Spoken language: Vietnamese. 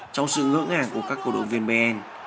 trong sự ngỡ ngàng của các cổ động viên bn